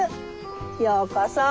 ようこそ。